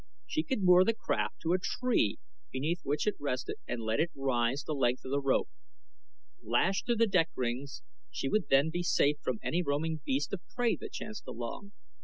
She could moor the craft to the tree beneath which it rested and let it rise the length of the rope. Lashed to the deck rings she would then be safe from any roaming beast of prey that chanced along.